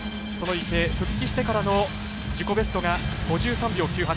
池江復帰してからの自己ベストが５３秒９８。